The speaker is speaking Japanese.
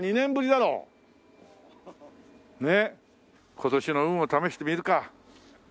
今年の運を試してみるか。